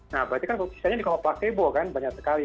nah berarti kan sisanya di kalau placebo kan banyak sekali